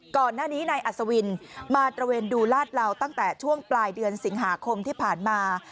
ก่อนหน้านี้นายอัศวินมาตระเวนดูลาดเหล่าตั้งแต่ช่วงปลายเดือนสิงหาคมที่ผ่านมา